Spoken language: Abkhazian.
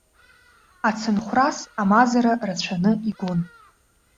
Ацынхәрас амазара рацәаны игон.